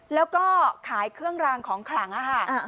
แล้วก็ขายเครื่องรางของขลังค่ะ